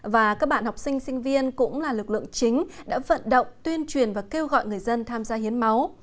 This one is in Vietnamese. và các bạn học sinh sinh viên cũng là lực lượng chính đã vận động tuyên truyền và kêu gọi người dân tham gia hiến máu